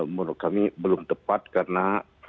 menurut kami belum tepat karena